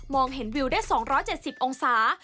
เห็นวิวได้๒๗๐องศา